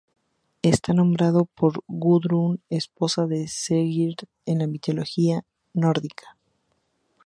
Está nombrado por Gudrun, esposa de Sigurd en la mitología nórdica.